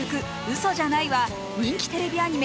「嘘じゃない」は人気テレビアニメ